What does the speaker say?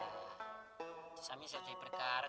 tasamin saya cari perkara